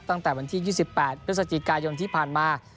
ตั้งแต่วันที่๒๘พฤศจิกายนที่ผ่านมา